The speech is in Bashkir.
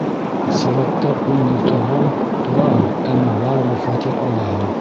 Сиратта ун йыл торһаң, тораһың, әммә барыбер фатир алаһың.